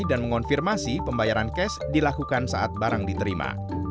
dan mengonfirmasi pembayaran cash dilakukan saat barang diterima